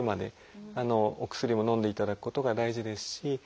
お薬をのんでいただくことが大事ですし